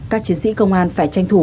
các chiến sĩ công an phải tranh thủ